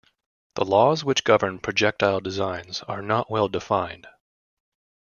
The laws which govern projectile designs are not well-defined.